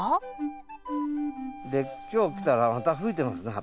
で今日来たらまた増えてますね